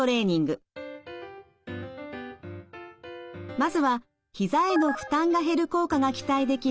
まずはひざへの負担が減る効果が期待できる